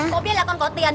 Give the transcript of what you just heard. cô biết là con có tiền